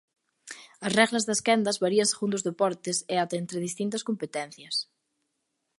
As regras das quendas varían segundo os deportes e ata entre distintas competencias.